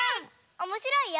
おもしろいよ！